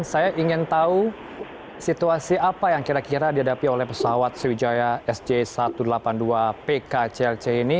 saya ingin tahu situasi apa yang kira kira dihadapi oleh pesawat sriwijaya sj satu ratus delapan puluh dua pkclc ini